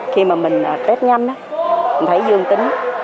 khi mà mình test nhăn đó mình thấy dương tính